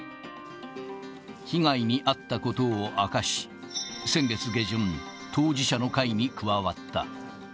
被害に遭ったことを明かし、先月下旬、当事者の会に加わった。